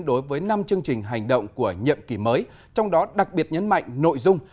đối với năm chương trình hành động của nhậm ký mới trong đó đặc biệt nhấn mạnh nội dung